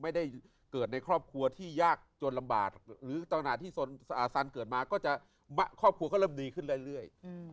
ไม่ได้เกิดในครอบครัวที่ยากจนลำบากหรือต่างที่สันเกิดมาก็จะครอบครัวก็เริ่มดีขึ้นเรื่อย